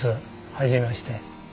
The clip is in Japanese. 初めまして。